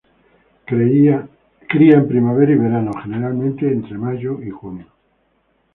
Cría en primavera y verano, generalmente entre mayo y junio.